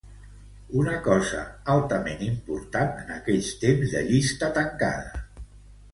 Una cosa altament important en aquells temps de llista tancada.